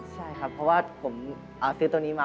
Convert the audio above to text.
ใช่ครับเพราะว่าผมซื้อตัวนี้มา